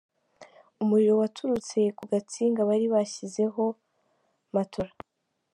Umuriro waturutse ku gatsinga bari bashyizeho matora.